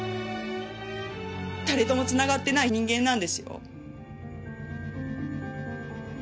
誰ともつながってない人間なんですよ。